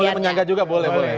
boleh menyangka juga boleh